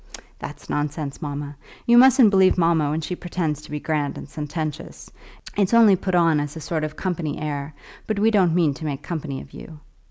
"That's nonsense, mamma. You mustn't believe mamma when she pretends to be grand and sententious. It's only put on as a sort of company air, but we don't mean to make company of you."